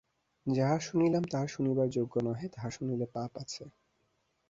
যাহা শুনিলাম তাহা শুনিবার যোগ্য নহে, তাহা শুনিলে পাপ আছে।